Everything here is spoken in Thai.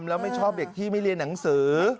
แล้วไม่ชอบเด็กที่ไม่เรียนหนังสือ